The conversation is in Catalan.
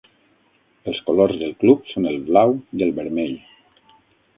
Els colors del club són el blau i el vermell.